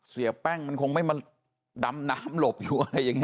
เสียแป้งมันคงไม่มาดำน้ำหลบอยู่อะไรอย่างนี้